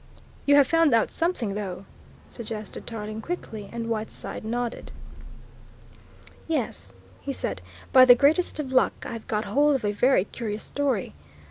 "You have found out something, though?" suggested Tarling quickly, and Whiteside nodded. "Yes," he said, "by the greatest of luck I've got hold of a very curious story.